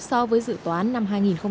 so với dự toán năm hai nghìn một mươi